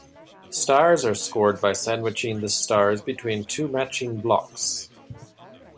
Stars are scored by sandwiching the stars between two matching blocks.